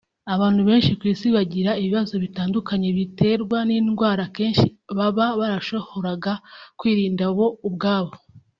Abantu benshi ku isi bagira ibibazo bitandukanye biterwa n’indwara akenshi baba barashohoraga kwirinda bo ubwabo